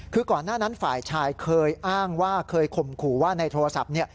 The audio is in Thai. คือก่อนหน้านั้นฝ่ายชายเคยอ้างว่าเคยข่มขู่ว่าในโทรศัพท์